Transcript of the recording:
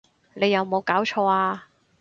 你有無攪錯呀！